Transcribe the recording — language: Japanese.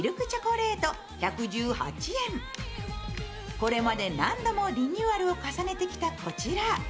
これまで何度もリニューアルを重ねてきたこちら。